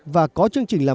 với tổ chức ấn độ